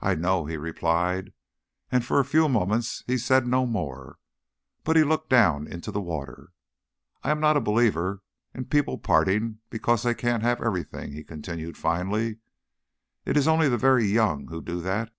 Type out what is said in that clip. "I know," he replied; and for a few moments he said no more, but looked down into the water. "I am not a believer in people parting because they can't have everything," he continued finally. "It is only the very young who do that.